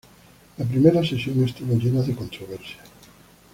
La primera sesión estuvo llena de controversias.